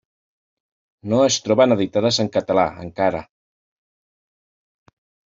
No es troben editades en català encara.